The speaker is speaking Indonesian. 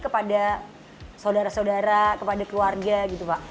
kepada saudara saudara kepada keluarga gitu pak